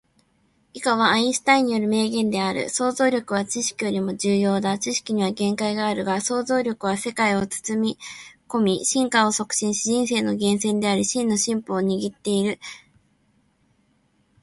以下はアインシュタインによる名言である。「想像力は知識よりも重要だ。知識には限界があるが、想像力は世界を包み込み、進化を促進し、人生の源泉であり、真の進歩の鍵を握っている。想像力を持つことで、我々は未知の可能性を追求し、既存のものを超えて未来を創造することができる」